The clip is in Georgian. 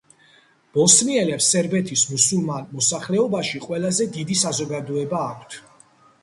ბოსნიელებს სერბეთის მუსულმან მოსახლეობაში ყველაზე დიდი საზოგადოება აქვთ.